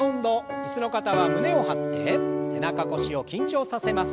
椅子の方は胸を張って背中腰を緊張させます。